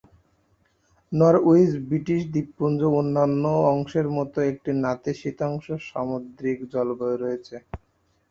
Norwich, British দ্বীপপুঞ্জের অন্যান্য অংশের মতো, একটি নাতিশীতোষ্ণ সামুদ্রিক জলবায়ু রয়েছে।